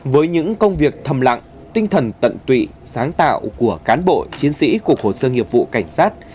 với những công việc thầm lặng tinh thần tận tụy sáng tạo của cán bộ chiến sĩ cục hồ sơ nghiệp vụ cảnh sát